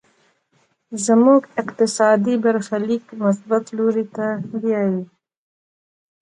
زموږ اقتصادي برخليک مثبت لوري ته بيايي.